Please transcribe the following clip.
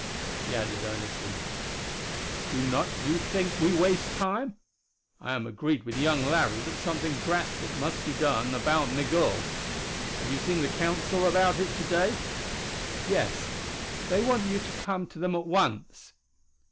He added earnestly, "Do not you think we waste time? I am agreed with young Larry that something drastic must be done about Migul. Have you seen the Council about it to day?" "Yes. They want you to come to them at once."